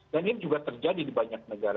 dan ini juga terjadi di banyak negara